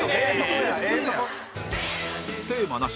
テーマなし